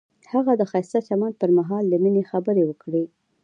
هغه د ښایسته چمن پر مهال د مینې خبرې وکړې.